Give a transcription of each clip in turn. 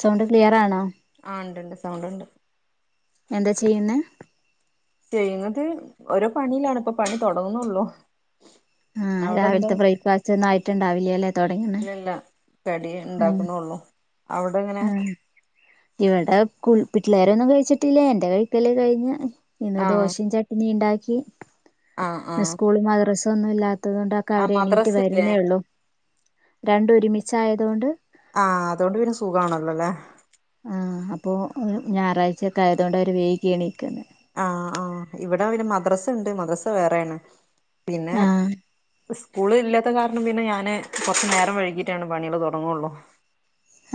Sound clear ആണോ ആ ഉണ്ട് ഉണ്ട്. സൗണ്ട് ഉണ്ട്. എന്താ ചെയ്യുന്ന. ചെയ്യുന്നത് ഓരോ പണിയിലാണ്. ഇപ്പ പണി തുടങ്ങുന്നുള്ളൂ. ആഹ അവിടെ എന്താ രാവിലത്തെ ബ്രേക്ക്ഫാസ്റ്റ് ഒന്നായിട്ട്ണ്ടാവില്ലേ അല്ലെ. തുടങ്ങണ. ഇല്ലല്ല കടി ആ ഉണ്ടാക്കുന്നുള്ളു. അവിടെ എങ്ങനെ. ഇവടെ പിള്ളേരൊന്നും കഴിച്ചിട്ടില്ലേ. എന്റെ കഴിക്കല് കഴിഞ്ഞ ഇന്ന് ആ ദോശയും ചട് നി ഉണ്ടാക്കി. ആ ആ ഇന്ന്സ്കൂളും മദ്രസ ഒന്നും ഇല്ലാത്ത ത്തത കൊണ്ടൊക്കെ ആ അവരെ എണീറ്റ് മദ്രസ ഇല്ലേ വരുന്നേള്ളൂ. രണ്ട ഒരുമിച്ചയതുകൊണ്ട് ആഹ് അതുകൊണ്ട് പിന്നെ സുഖമാണല്ലോല്ലേ ആ അപ്പോ ഞായറാഴ്ചയക്കെ ആയതുകൊണ്ട് അവര് വഴുകിഎണീക്കാ ആഹ ആഹ് ഇവിടെ പിന്നെ മദ്രസ ഉണ്ട്. മദ്രസ വേറെയാണ്. പിന്നെ. ആ സ്കൂള ഇല്ലാത്ത കാരണം പിന്നെ ഞാന് കുറച്ചു നേരം വഴകിയിട്ടാണ് പണികള് തുടങ്ങുള്ളൂ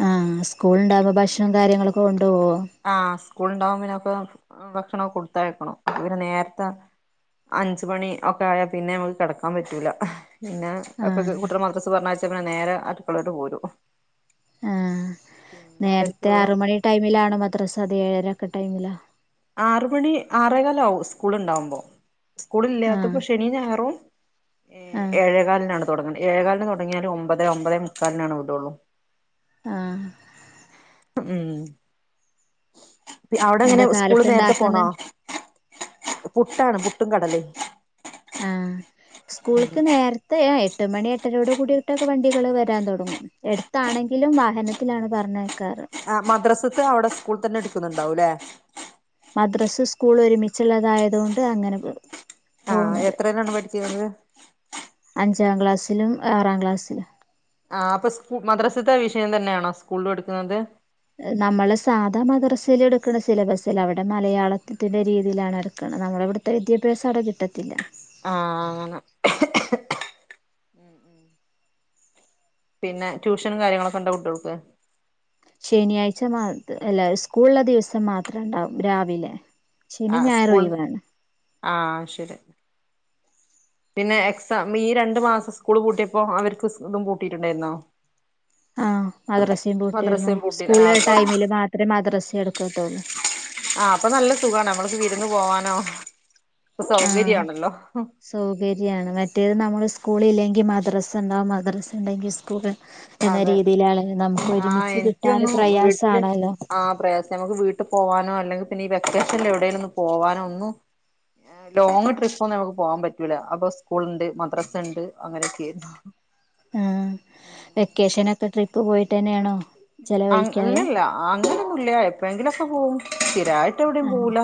ആഹ് സ്കൂള ഉണ്ടാവുമ്പോ ഭക്ഷണം കാര്യങ്ങളൊക്കെ കൊണ്ട പോവോ ആ സ്കൂള് ഉണ്ടാകുമ്പോ പിന്നൊക്കെ ഭക്ഷണൊക്കെ കൊടുത്തയക്കണം പിന്നെ നേരത്തെ അഞ്ച് മണി ഒക്കെ ആയാൽ പിന്നെ നമുക്ക് കിടക്കാൻ പറ്റൂല പിന്നെ ആ അപ്പൊക്കും കുട്ടികളെ മദ്രസ് പറഞ്ഞാഴ്ച്ച പിന്നെ നേരെ അടുക്കളോട്ട് പോരും ആ പിന്നെ നേരത്തെ അവർക്കുള്ള ആറ് മണി ടൈമിലാണോ മദ്രസ അതോ ഏഴരൊക്കെ ടൈമില ആറ് മണി ആറേകാലാവും സ്കൂള് ഉണ്ടാവുമ്പോ സ്കൂള് ആഹ് ഇല്ലാത്തപ്പൊ ശനിം ഞായറും ആഹ് ഏഴേകാലിനാണ് തുടങ്ങന്ന് ഏഴേ കാലിന് തുടങ്ങിയാല് ഒമ്പത് ഒമ്പതേ മുക്കാലിനാണ് വിടുള്ളൂ ആ ഉം അവിടെ എന്താ എങ്ങനെ സ്കൂള് നേരത്തെ പോണോ കാലത്ത്ണ്ടാക്ക്ന്ന് പുട്ടാണ് പുട്ടും കടലിം ആ സ്കൂളിക്ക് നേരത്തെ എട്ട് മണി എട്ടരോട് കൂടിയിട്ടൊക്കെ വണ്ടികള് വരാൻ തുടങ്ങും എടുത്താണെങ്കിലും വാഹനത്തിലാണ് പറഞ്ഞയക്കാറ് ആ മദ്രാസത്തെ അവിടെ സ്കൂളിൽ തന്നെ എടുക്കുന്നുണ്ടാവും അല്ലേ മദ്രസിം സ്കൂളും ഒരുമിച്ചുള്ളതായതു കൊണ്ട് അങ്ങനെ പോകും ആ എത്രയിലാണ് പഠിച്ചിരുന്നത് അഞ്ചാം ക്ലാസ്സിലും ആറാം ക്ലാസ്സിലും ആ അപ്പൊ സ്ക്കൂ- മദ്രാസത്തെ വിഷയം തന്നെയാണോ സ്കൂളിലും എടുക്കുന്നത് നമ്മള് സാധാ മദർസയില എടുക്കുന്ന സിലബസ്സല്ല അവിടെ മലയാളത്തിന്റെ രീതിയിലാണ് എടുക്കുന്നത് നമ്മള ഇവിടെ വിദ്യാഭ്യാസം അവിടെ കിട്ടത്തില്ല അ ആ ഉം പിന്നെ ട്യൂഷനും കാര്യങ്ങളൊക്കെ ഉണ്ടോ കുട്ടികൾക്ക് ശനിയാഴ്ച മാ അല്ല സ്കൂളുള്ള ദിവസം മാത്രം ഉണ്ടാവും രാവിലെ ആ ശനി ഞായർ സ്കൂൾന്ന് ഒഴിവാണ് ആ ശരി [inaudible] പിന്നെ എക്സാം ഈ രണ്ടു മാസം സ്കൂള് പൂട്ടിയപ്പോ അവർക്ക് ഇതും പൂട്ടിയിട്ടുണ്ടായിരുന്നോ ആഹ് മദ്രസയും പൂട്ടിയിരുന്നു മദ്രസയും പൂട്ടി സ്കൂള് ആഹ് ഇള്ള അപ്പൊ ടൈമില് മാത്രമേ മദ്രസിം എടുക്കത്തൊള്ളൂ ആഹ് അപ്പം നല്ല സുഖാണ് നമ്മൾക്ക് വിരുന്ന് പോവാനോ ഒക്കെ ആഹ് സൗകര്യവാണല്ലോ? സൗകര്യാണ് മറ്റേത് നമ്മള് സ്കൂള് ഇല്ലെങ്കില് മദ്രസ്ണ്ടാവും മദ്രസ്ണ്ടെങ്കി സ്കൂള്ണ്ടാ എന്ന അതെ രീതിയിലാണല്ലോ ആഹ് നമുക്കൊരുമിച്ച് കിട്ടാറ് എനിക്കൊന്നു വീട്ടില് പ്രയാസാണല്ലോ? ആഹ് പ്രയാസ നമുക്ക് വീട്ട് പോകാനോ അല്ലെങ്കി പിന്നെ ഈ വെക്കേഷൻല് എവിടേലും ഒന്ന് പോവാനോ ഒന്നും ആഹ് ലോങ് ട്രിപ്പൊന്നും നമുക്ക് പോകാൻ പറ്റൂല അപ്പൊ സ്കൂള്ണ്ട് മദ്രാസണ്ട് അങ്ങനെയെക്കേരുന്നു ആഹ് വെക്കേഷനൊക്കെ ട്രിപ്പ് പോയിട്ട് തന്നെയാണോ? അങ്ങ ചെലവഴിക്കാറ് ഇല്ല്യല്ല അങ്ങനൊന്നുല്ല്യ എപ്പയെങ്കിലൊക്കെ പോവും സ്ഥിരായി യിട്ട് എവിടെയും ആഹ് പോവൂല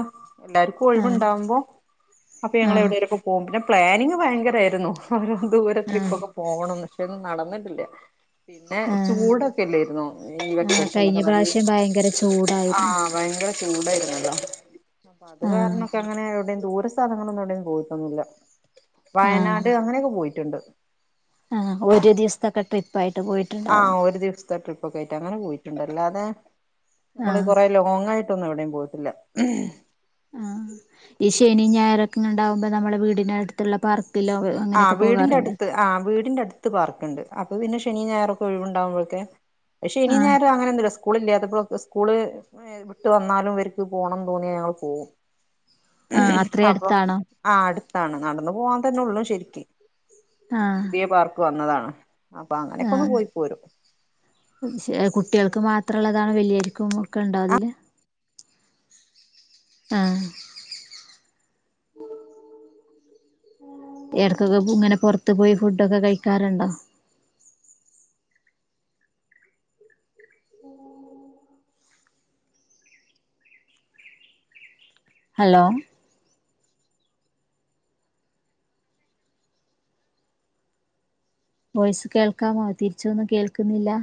എല്ലാർക്കും ആഹ് ഒഴിവുണ്ടാവുമ്പോ അപ്പൊ ഞങ്ങള് ആഹ് എവിടേലൊക്കെ പോ വും പിന്നെ പ്ലാനിങ് ഭയങ്കരേയിരുന്നു ഒരു ദൂരെ ആഹ് ട്രിപ്പൊക്കെ പോ പോവണംന്ന് പക്ഷെ ഒന്നും നടന്നിട്ടില്ല പിന്നെ ആഹ് ചൂടൊക്കെല്ലായിരുന്നോ? ഉം ഈ ആഹ് കഴിഞ്ഞ വെക്കേഷനിലൊക്കെ നല്ല പ്രാവശ്യം ചൂടാ ഭയങ്കര ചൂടായിരുന്നു ആഹ് ഭയങ്കര ചൂടായിരുന്നല്ലോ? അപ്പൊ അത് ആഹ് കാരണക്കങ്ങനെ എവിടേം ദൂര സ്ഥ ലങ്ങളൊന്നും എവിടെയും പോയിട്ടൊന്നുല്ല ആഹ് വയനാട് അങ്ങനെയൊക്കെ പോയിട്ടുണ്ട് ആഹ് ഒരു ദിവസത്തൊക്കെ ട്രിപ്പായിട്ട് പോയിട്ട് ആഹ് ഒരു ദിവസത്തെ ട്രിപ്പ് ഒക്കെ ആയിട്ട് അങ്ങനെ പോയിട്ടുണ്ട് അല്ലാതെ നമ്മള് ആഹ് കൊറേ ലോങ്ങായിട്ട് ഒന്നും എവിടേം പോയിട്ടില്ല ആഹ് ഈ ശനിം ഞായറൊക്കെ ഇണ്ടാവുമ്പോ നമ്മളെ വീടിന്റെ അടുത്തുള്ള പാർക്കിലോ ആഹ് അങ്ങനെയൊക്കെ വീടിന്റെ പോകാറുണ്ടോ അടുത്ത് ആ വീടിന്റെ അടുത്ത് പാർക്കുണ്ട് അപ്പൊ പിന്നെ ശനി ഞായറൊക്കെ ഒഴിവുണ്ടാകുമ്പോഴൊക്കെ ഒഴിവുണ്ടാകുമ്പോഴൊക്കെ അഹ് ശനിം, ആഹ് ഞായറും അങ്ങനെ ഒന്നും ദിവ സ്കൂളില്ലാത്തപ്പൊളൊക്കെ സ്കൂള് വിട്ട് വന്നാലും ഇവർക്ക് പോകണംന്ന് തോന്നിയാ ഞങ്ങള് പോകും ഏ ആഹ് അത്രയും അപ്പം അടുത്താണോ ആഹ് അടുത്താണ് നടന്ന് പോവാൻ തന്നെ ഒള്ളു ശരിക്ക് ആഹ് പുതിയ പാർക്ക് വന്നതാണ് അപ്പൊ അങ്ങനെയൊക്കെ ഒന്ന് പോയി പോരും പക്ഷേ ഉ കുട്ടികൾക്ക് മാത്രം ഉള്ളതാണ് വലിയവർക്കും ഒക്കെ ഇണ്ടോ അതില്? ആഹ് എടക്കൊക്കെ ഉം ഇങ്ങനെ പൊറത്തു പോയി ഫുഡൊക്കെ കഴിക്കാറുണ്ടോ? [inaudible] ഹലോ വോയിസ് കേൾക്കാമോ? തിരിച്ചൊന്നും കേൾക്കുന്നില്ല?